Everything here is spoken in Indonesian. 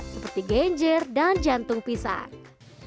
seperti genjer dan jantung pisang